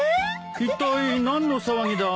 いったい何の騒ぎだい？